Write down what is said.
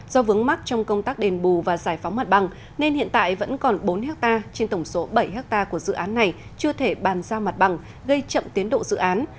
do vướng mắc trong công tác đền bù và giải phóng mặt bằng nên hiện tại vẫn còn bốn ha trên tổng số bảy ha của dự án này chưa thể bàn ra mặt bằng gây chậm tiến độ dự án